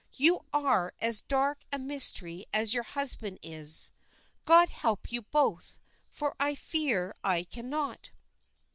"You are as dark a mystery as your husband is. God help you both, for I fear I cannot."